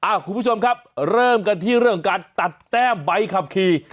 คุณผู้ชมครับเริ่มกันที่เรื่องการตัดแต้มใบขับขี่